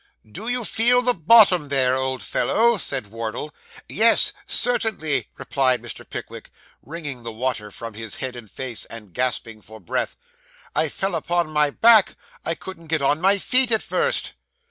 'Do you feel the bottom there, old fellow?' said Wardle. 'Yes, certainly,' replied Mr. Pickwick, wringing the water from his head and face, and gasping for breath. 'I fell upon my back. I couldn't get on my feet at first.